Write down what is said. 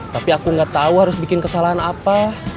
tapi aku gak tau harus bikin kesalahan apa